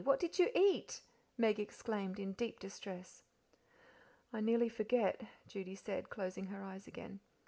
What did you eat?" Meg exclaimed, in deep distress. "I nearly forget," Judy said; closing her eyes again.